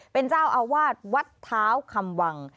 เป็นเจ้าอาวาสวัดเท้าคำวัง